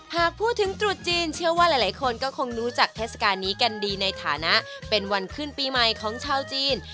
หากพูดถึงตรุษจีนเชื่อว่าหลายคนก็คงรู้จักเทศกาลนี้กันดีในฐานะเป็นวันขึ้นปีใหม่ของชาวจีน